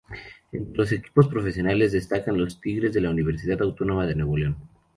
Entre los equipos profesionales destacan los Tigres de la Universidad Autónoma de Nuevo León.